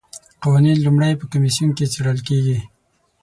قوانین لومړی په کمیسیون کې څیړل کیږي.